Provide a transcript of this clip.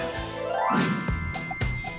เจ็บนี้ไม่เหนื่อย